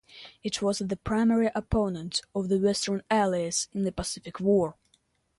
It was the primary opponent of the Western Allies in the Pacific War.